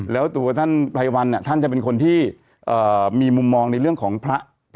แล้วตัวท่านไพรวันท่านจะเป็นคนที่มีมุมมองในเรื่องของพระ